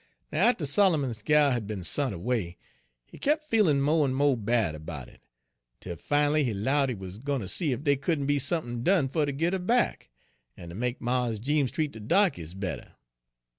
Page 76 "Now, atter Solomon's gal had be'n sont away, he kep' feelin' mo' en mo' bad erbout it, 'tel fin'lly he 'lowed he wuz gwine ter see ef dey couldn' be sump'n done fer ter git 'er back, en ter make Mars Jeems treat de darkies bettah.